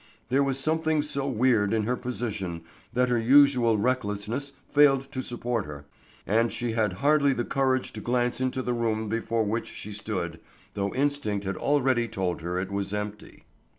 There was something so weird in her position that her usual recklessness failed to support her, and she had hardly the courage to glance into the room before which she stood, though instinct had already told her it was empty.